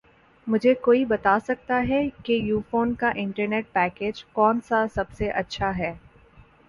مجھے کوئی بتا سکتا ہے کہ یوفون کا انٹرنیٹ پیکج کون سا سب سے اچھا ہے